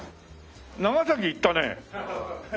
長崎行ったね。